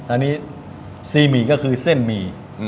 อันนี้ซีหมี่ก็คือเส้นหมี่